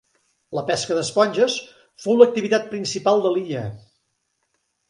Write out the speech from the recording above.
La pesca d'esponges fou l'activitat principal de l'illa.